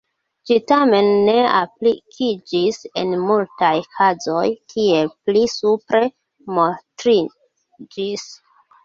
Ĝi tamen ne aplikiĝis en multaj kazoj, kiel pli supre montriĝis.